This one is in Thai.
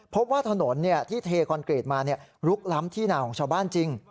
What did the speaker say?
พบว่าถนนที่เทคอนกรีตมาลุกล้ำที่นาของชาวบ้านจริง